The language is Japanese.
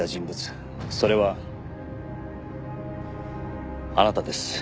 それはあなたです。